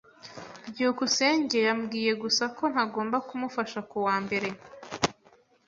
byukusenge yambwiye gusa ko ntagomba kumufasha ku wa mbere.